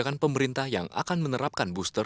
terus kayak ya antisipasi